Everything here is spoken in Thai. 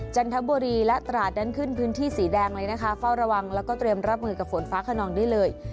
จันทบุรีและตราดนั้นขึ้นพื้นที่สีแดงเลยนะคะเฝ้าระวังแล้วก็เตรียมรับมือกับฝนฟ้าขนองได้เลย